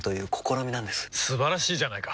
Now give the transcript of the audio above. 素晴らしいじゃないか！